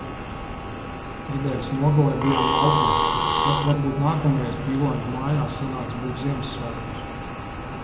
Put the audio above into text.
Nedēļas nogalē bijām laukos. Sak, varbūt nākamreiz Pīlādžu mājās sanāks būt vien Ziemassvētkos?